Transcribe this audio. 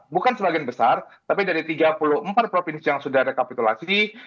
bukan sebagian besar tapi dari tiga puluh empat provinsi yang sudah rekapitulasi